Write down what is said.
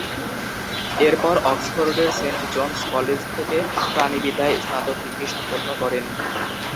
এরপর অক্সফোর্ডের Saint John's college থেকে প্রাণিবিদ্যায় স্নাতক ডিগ্রি সম্পন্ন করেন।